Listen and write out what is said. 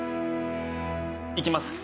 いきます。